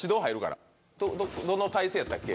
どの体勢やったっけ